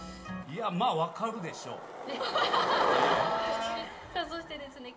いや、まあ、分かるでしょう。